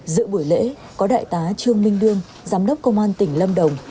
giữa buổi lễ có đại tá trương minh đương giám đốc công an tỉnh lâm đồng